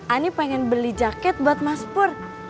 ani pengen beli jaket buat mas pur